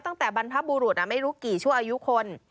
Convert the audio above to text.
บรรพบุรุษไม่รู้กี่ชั่วอายุคน